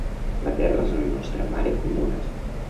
La terra és la nostra mare comuna.